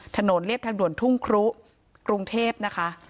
เรียบทางด่วนทุ่งครุกรุงเทพนะคะ